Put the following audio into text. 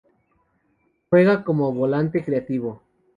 Juega como volante creativo.